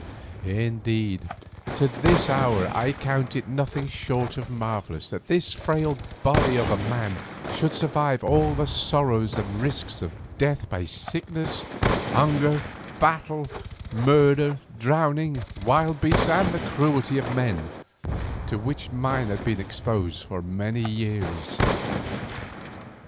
Indeed to this hour I count it nothing short of marvellous that this frail body of a man should survive all the sorrows and risks of death by sickness, hunger, battle, murder, drowning, wild beasts, and the cruelty of men, to which mine had been exposed for many years.